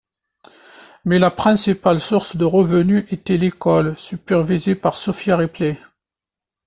Mais la principale source de revenus était l’école, supervisée par Sophia Ripley.